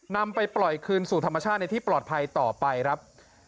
นำไปปล่อยคืนสู่ธรรมชาติในที่ปลอดภัยต่อไปครับ